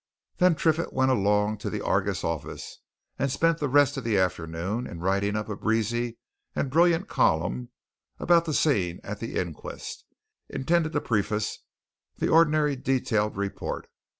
Then Triffitt went along to the Argus office, and spent the rest of the afternoon in writing up a breezy and brilliant column about the scene at the inquest, intended to preface the ordinary detailed report.